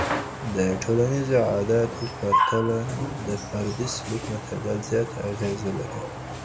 د ټولنیزو عاداتو په پرتله د فردي سلوک مطالعه زیاته اغیزه لري.